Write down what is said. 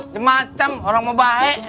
semacam orang mau baik